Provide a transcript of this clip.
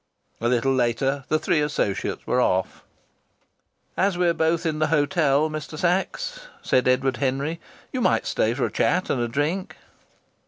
A little later the three associates were off. "As we're both in the hotel, Mr. Sachs," said Edward Henry, "you might stay for a chat and a drink."